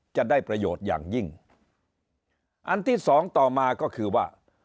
จะได้ประโยชน์อย่างยิ่งอันที่สองต่อมาก็คือว่า